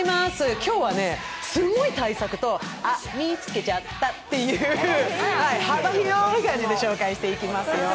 今日はすごい大作と、あっ見つけちゃったっていうのをご紹介していきますよ。